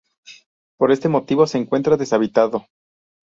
Por este motivo se encuentra deshabitado.